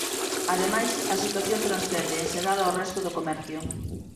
Ademais, a situación transcende en xeral ao resto do comercio.